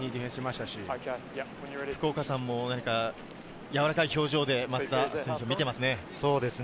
福岡さんも柔らかい表情で松田選手を見ていますね。